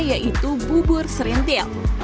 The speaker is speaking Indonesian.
yaitu bubur serintil